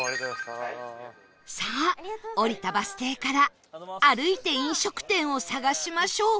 さあ降りたバス停から歩いて飲食店を探しましょう